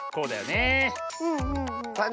ねえ。